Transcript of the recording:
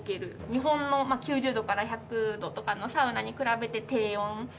日本の９０度から１００度とかのサウナに比べて低温。